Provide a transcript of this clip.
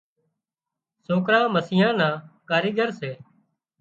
سوڪرا مسيان نا ڪاريڳر سي